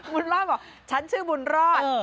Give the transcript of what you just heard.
บุญรอดบอกฉันชื่อบุญรอด